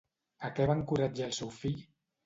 A què va encoratjar el seu fill?